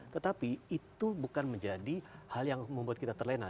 tetapi itu bukan menjadi hal yang membuat kita terlena